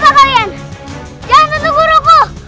bapak kalian jangan tentu guruku